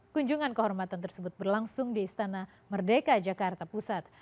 kunjungan kehormatan tersebut berlangsung di istana merdeka jakarta pusat